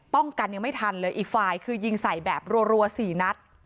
ป้องกันยังไม่ทันเลยอีกฝ่ายคือยิงใส่แบบรัวสี่นัด